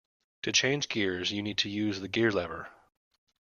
To change gears you need to use the gear-lever